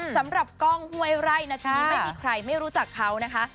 สำหรับกล้องห้วยไร่นาทีนี้ไม่มีใครไม่รู้จักเขานะคะ